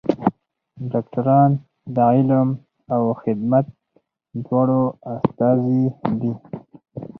ډاکټران د علم او خدمت دواړو استازي دي.